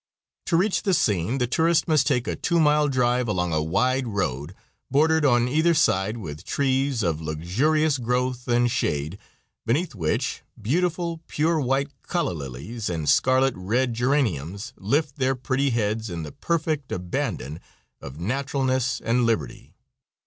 To reach the scene the tourist must take a two mile drive along a wide road, bordered on either side with trees of luxurious growth and shade, beneath which beautiful, pure white calla lilies and scarlet red geraniums lift their pretty heads in the perfect abandon of naturalness and liberty.